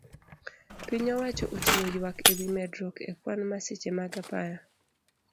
Piny owacho ochiwo yuak ewi medruok ekwan masiche mag apaya